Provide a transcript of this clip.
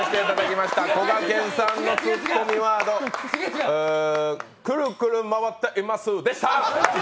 こがけんさんのツッコミワードくるくる回っていますでした。